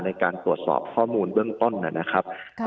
ในการตรวจสอบข้อมูลเบื้องต้นนะครับ